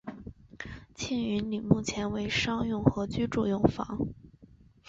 庆云里目前为商用和居住用房。